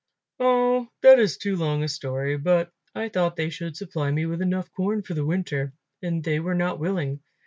"Oh, that is too long a story; but I thought they should supply me with enough corn for the winter and they were not willing.